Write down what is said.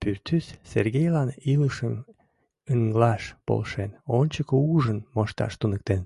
Пӱртӱс Сергейлан илышым ыҥлаш полшен, ончыко ужын мошташ туныктен.